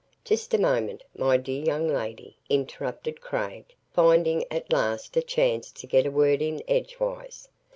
"Just a moment, my dear young lady," interrupted Craig, finding at last a chance to get a word in edgewise.